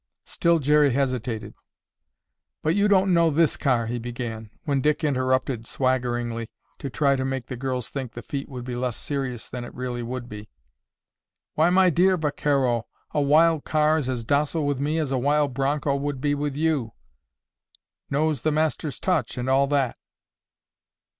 Still Jerry hesitated. "But you don't know this car—" he began, when Dick interrupted swaggeringly, to try to make the girls think the feat would be less serious than it really would be. "Why, my dear vaquero, a wild car is as docile with me as a wild broncho would be with you—knows the master's touch and all that."